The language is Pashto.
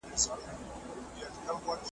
نو پیغام تر ښکلا مهم دی .